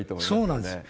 そうなんです。